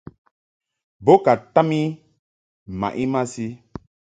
Bo ka tam I mmaʼ I masi.